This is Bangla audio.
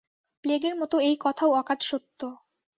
প্লেগের মতো এই কথাও অকাট সত্য।